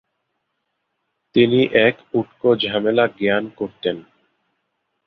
তিনি এক উটকো ঝামেলা জ্ঞান করতেন।